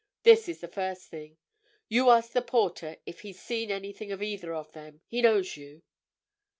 "This is the first thing. You ask the porter if he's seen anything of either of them—he knows you."